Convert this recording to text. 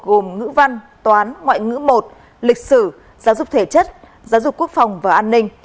gồm ngữ văn toán ngoại ngữ một lịch sử giáo dục thể chất giáo dục quốc phòng và an ninh